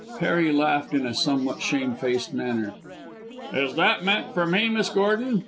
Harry laughed in a somewhat shamefaced manner. "Is that meant for me, Miss Gordon?